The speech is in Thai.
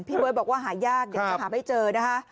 เบิร์ตบอกว่าหายากเดี๋ยวจะหาไม่เจอนะคะ